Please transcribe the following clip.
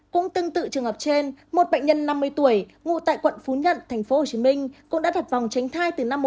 cũng tương tự trường hợp trên một bệnh nhân năm mươi tuổi ngụ tại quận phú nhuận tp hcm cũng đã đặt vòng tránh thai từ năm một nghìn chín trăm bảy